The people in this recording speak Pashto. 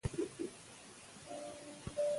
ښځه د کور دننه د عفت ساتنه کوي.